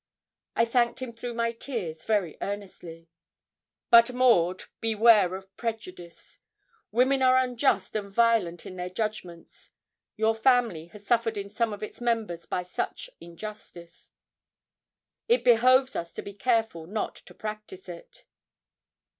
I thanked him through my tears very earnestly. 'But, Maud, beware of prejudice; women are unjust and violent in their judgments. Your family has suffered in some of its members by such injustice. It behoves us to be careful not to practise it.'